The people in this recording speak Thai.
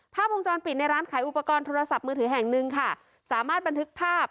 ภาพวงจรปิดในร้านขายอุปกรณ์โทรศัพท์มือถือแห่งหนึ่งค่ะสามารถบันทึกภาพ